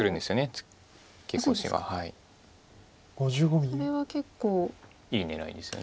これは結構いい狙いですね。